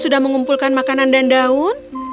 sudah mengumpulkan makanan dan daun